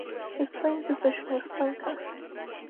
His playing position was flanker.